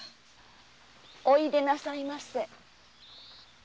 おいでなさいませ。